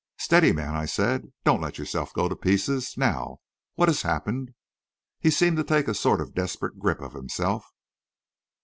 "Steady, man," I said. "Don't let yourself go to pieces. Now what has happened?" He seemed to take a sort of desperate grip of himself.